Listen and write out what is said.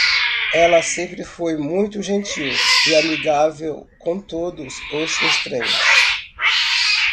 Ela sempre foi muito gentil e amigável com todos os estranhos.